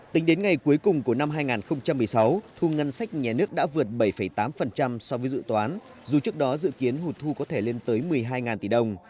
tính đến ngày cuối cùng của năm hai nghìn một mươi sáu thu ngân sách nhà nước đã vượt bảy tám so với dự toán dù trước đó dự kiến hụt thu có thể lên tới một mươi hai tỷ đồng